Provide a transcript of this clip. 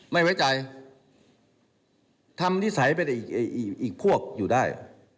ไม่ไว้ใจทำนิสัยเป็นอีกพวกอยู่ได้